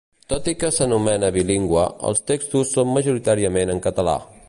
Tot i que s'anomena bilingüe, els textos són majoritàriament en català.